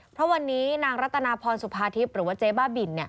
เพราะวันนี้นางรัตนาพรสุภาทิพย์หรือว่าเจ๊บ้าบิน